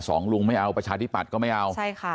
สองลุงไม่เอาประชาธิปัตย์ก็ไม่เอาใช่ค่ะ